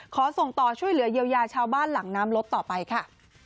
ขอส่งต่อช่วยเหลือเยียวยาชาวบ้านหลังน้ำลดต่อไปค่ะ